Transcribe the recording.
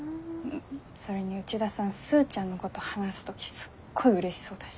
それに内田さんスーちゃんのこと話す時すっごいうれしそうだし。